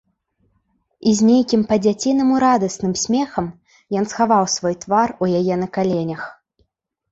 І з нейкім па-дзяцінаму радасным смехам ён схаваў свой твар у яе на каленях.